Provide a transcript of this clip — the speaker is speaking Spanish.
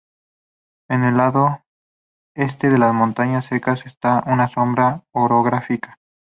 En el lado este de las montañas secas está una sombra orográfica.